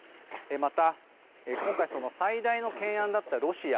また、今回最大の懸案だったロシア。